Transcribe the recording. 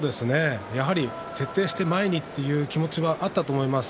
徹底して前にという気持ちはあったと思います。